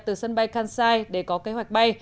từ sân bay kansai để có kế hoạch bay